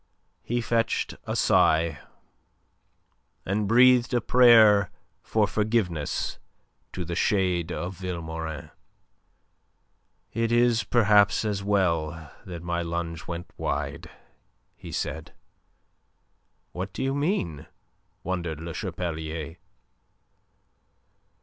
He fetched a sigh, and breathed a prayer for forgiveness to the shade of Vilmorin. "It is perhaps as well that my lunge went wide," he said. "What do you mean?" wondered Le Chapelier.